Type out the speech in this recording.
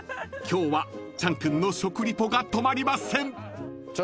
［今日はチャン君の食リポが止まりません！］